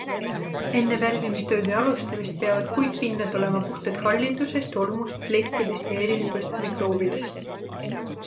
Enne värvimistööde alustamist peavad puitpinnad olema puhtad hallitusest, tolmust, plekkidest ja erinevatest mikroobidest.